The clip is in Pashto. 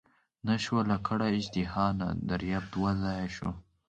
نه شوه لکړه اژدها نه دریاب دوه ځایه شو.